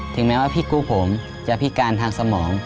แม้ว่าพี่กู้ผมจะพิการทางสมอง